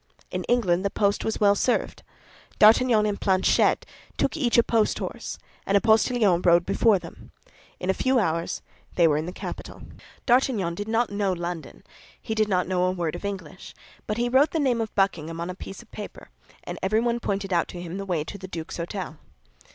In England the post was well served. D'Artagnan and Planchet took each a post horse, and a postillion rode before them. In a few hours they were in the capital. D'Artagnan did not know London; he did not know a word of English; but he wrote the name of Buckingham on a piece of paper, and everyone pointed out to him the way to the duke's hôtel.